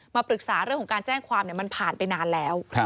มาปรึกษาเรื่องของการแจ้งความมันผ่านไปนานแล้ว